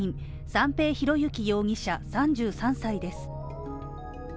三瓶博幸容疑者３３歳です。